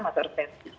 masih harus resesi